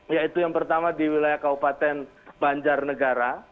yaitu yang pertama di wilayah kabupaten banjarnegara